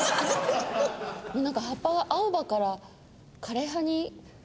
なんか葉っぱが青葉から枯れ葉に。